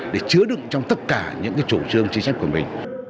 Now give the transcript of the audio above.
để chứa đựng trong tất cả những chủ trương chính sách của mình